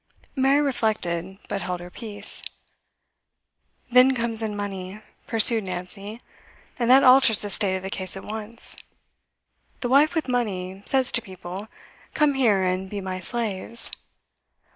Mary reflected, but held her peace. 'Then comes in money,' pursued Nancy, 'and that alters the state of the case at once. The wife with money says to people: Come here, and be my slaves.